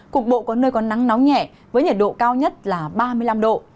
cục bộ có nơi có nắng nóng nhẹ với nhiệt độ cao nhất là ba mươi năm độ